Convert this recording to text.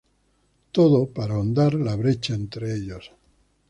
Todo para ahondar la brecha entre ellos.